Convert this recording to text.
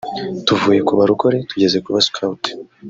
tuvuye ku barokore tugeze ku ba-scout